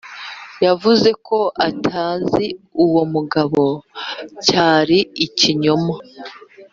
yavuze ko atazi uwo mugabo, cyari ikinyoma.